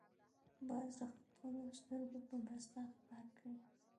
باز د خپلو سترګو په مرسته ښکار کوي